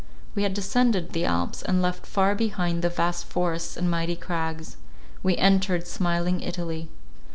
We had descended the Alps, and left far behind their vast forests and mighty crags. We entered smiling Italy.